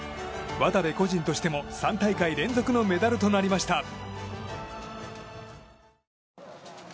渡部個人としても３大会連続のメダルとなりました。